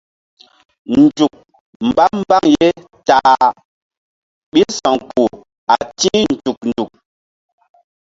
Nzuk mba mbaŋ ye ta a ɓil sa̧w kpuh a ti̧h nzuk nzuk.